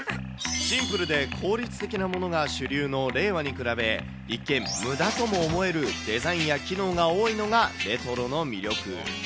シンプルで効率的なものが主流の令和に比べ、一見むだとも思えるデザインや機能が多いのがレトロの魅力。